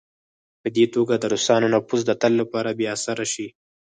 په دې توګه د روسانو نفوذ د تل لپاره بې اثره شي.